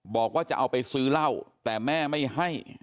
บอกว่าจะเอาไปซื้อเหล้าแต่แม่ไม่ให้